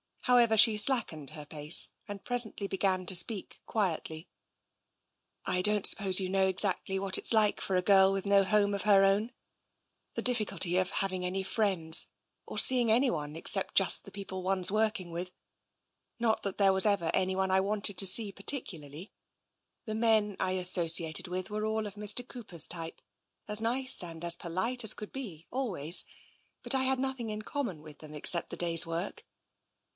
However, she slackened her pace and presently began to speak quietly. " I don't suppose you know exactly what it's like for a girl with no home of her own — the difficulty of having any friends, or seeing anyone except just the people one's working with — not that there was ever anyone I wanted to see particularly, the men I associated with were all of Mr. Cooper's type, as nice and as polite as could be, always — but I had nothing in common with them except the day's work.